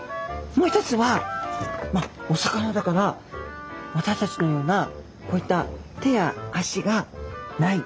もう一つはまあお魚だから私たちのようなこういった手や足がない。